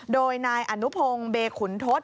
โดยนายอนุพงศ์เบขุนทศ